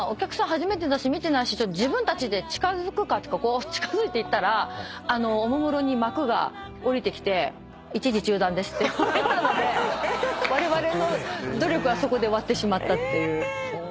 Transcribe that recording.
初めてだし自分たちで近づくかって近づいていったらおもむろに幕が下りてきて「一時中断です」って言われたのでわれわれの努力はそこで終わってしまったっていう。